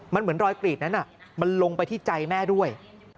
มันเหมือนรอยกรีดนั้นมันลงไปที่ใจแม่ด้วย